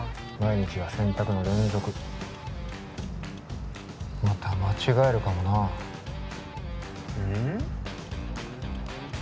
毎日が選択の連続また間違えるかもなうん？